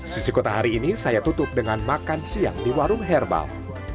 sisi kota hari ini saya tutup dengan makan siang di warung herbal